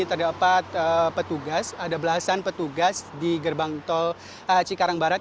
terdapat petugas ada belasan petugas di gerbang tol cikarang barat